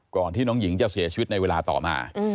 ก่อนที่น้องหญิงจะเสียชีวิตในเวลาต่อมา